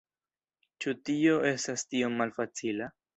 Ĉu tio estas tiom malfacila?